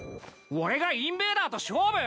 俺がインベーダーと勝負！？